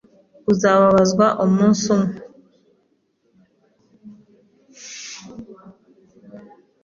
Uzababazwa umunsi umwe.